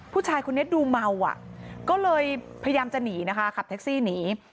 ผู้ชายคนนี้ดูเมาอ่ะก็เลยพยายามจะหนีนะคะขับแท็กซี่หนี